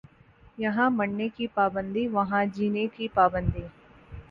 یہاں مرنے کی پابندی وہاں جینے کی پابندی